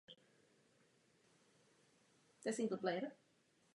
Schovávat se v tomto ohledu za čistě právní argumenty nestačí.